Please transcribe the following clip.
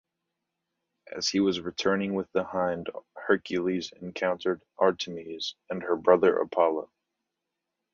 As he was returning with the hind, Hercules encountered Artemis and her brother Apollo.